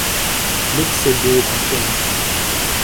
L'excès d'eau est un poison…